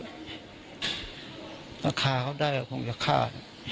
พาขาเขาได้คงจะฆ่า